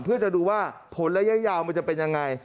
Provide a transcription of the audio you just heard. เพื่อจะดูว่าผลระยะยาวมันจะเป็นยังไง